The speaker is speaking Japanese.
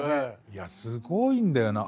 いやすごいんだよな。